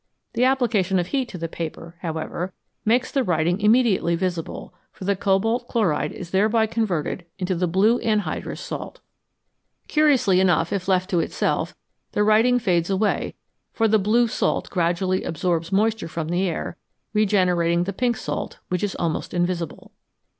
The application of heat to the paper, however, makes the writing immediately visible, for the cobalt chloride is thereby converted into the blue anhydrous salt. Curiously 320 FROM SOLUTIONS TO CRYSTALS enough, if left to itself, the writing fades away, for the blue salt gradually absorbs moisture from the air, re generating the pink salt, which is almost invisible.